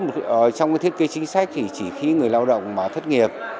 trong thiết kế chính sách thì chỉ khi người lao động thất nghiệp